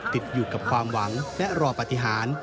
ติดอยู่กับความหวังและรอปฏิหาร